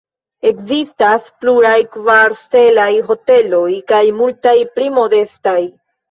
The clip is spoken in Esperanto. Ekzistas pluraj kvar-stelaj hoteloj kaj multaj pli modestaj.